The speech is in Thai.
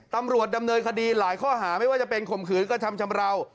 ตำรวจดำเนินคดีหลายข้อหาไม่ว่าจะเป็นข่มขืนกระทำชำราว